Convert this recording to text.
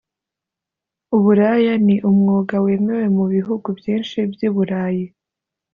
Uburaya ni umwuga wemewe mu bihugu byinshi by’ iburayi